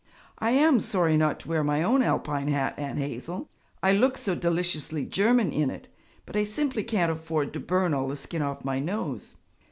'I am sorry not to wear my own Alpine hat, Aunt Hazel; I look so deliciously German in it, but I simply can't afford to burn all the skin off my nose.'